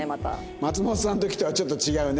松本さんの時とはちょっと違うね。